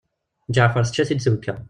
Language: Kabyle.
Ǧeɛfer tečča-t-id twekka.